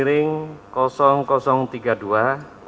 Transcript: dan yang dikira sebagai penumpang yang berada di jumat